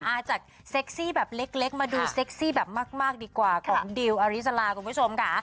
จากเซ็กซี่แบบเล็กมาดูเซ็กซี่แบบมากดีกว่าของดิวอริสลาคุณผู้ชมค่ะ